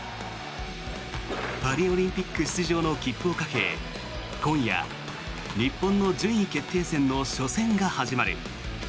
パリオリンピック出場の切符をかけ今夜、日本の順位決定戦の初戦が始まる。